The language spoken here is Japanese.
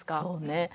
そうね。